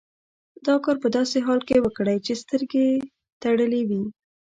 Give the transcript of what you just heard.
دا کار په داسې حال کې وکړئ چې سترګې یې تړلې وي.